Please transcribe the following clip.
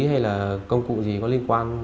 hay là công cụ gì có liên quan